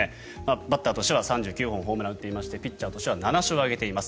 バッターとしては３９本ホームランを打っていましてピッチャーとしては７勝を挙げています。